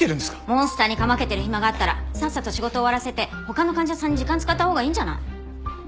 モンスターにかまけてる暇があったらさっさと仕事終わらせて他の患者さんに時間使ったほうがいいんじゃない？